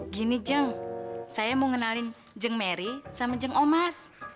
gini jeng saya mau ngenalin jeng mary sama jeng omas